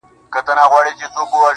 خدايه له بـهــاره روانــېــږمه_